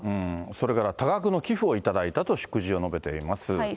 それから多額の寄付を頂いたと祝辞を述べています。